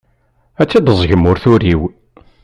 Ad tt-id-teẓẓgem ur turiw.